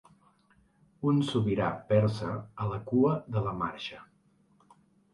Un sobirà persa a la cua de la marxa.